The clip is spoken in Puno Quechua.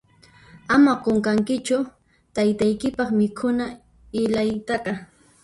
Ama qunqankichu taytaykipaq mikhuna ilaytaqa.